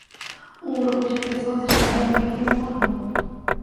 Um grupo de pessoas está reunido em uma rua.